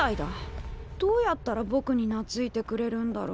どうやったらぼくになついてくれるんだろ。